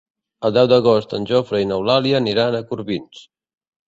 El deu d'agost en Jofre i n'Eulàlia aniran a Corbins.